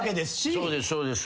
そうですそうです。